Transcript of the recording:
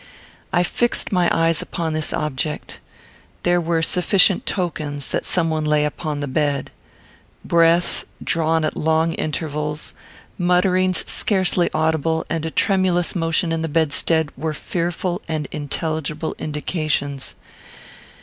I fixed my eyes upon this object. There were sufficient tokens that some one lay upon the bed. Breath, drawn at long intervals; mutterings scarcely audible; and a tremulous motion in the bedstead, were fearful and intelligible indications.